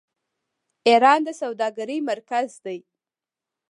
ایران د سوداګرۍ مرکز دی.